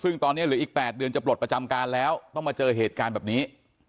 ซึ่งตอนนี้เหลืออีก๘เดือนจะปลดประจำการแล้วต้องมาเจอเหตุการณ์แบบนี้